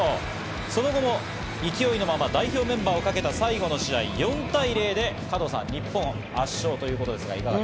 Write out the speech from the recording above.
その後も勢いのまま代表メンバーをかけた最後の試合、４対０で日本が圧勝ということです。